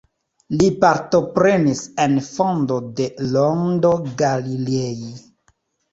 Li partoprenis en fondo de Rondo Galilei.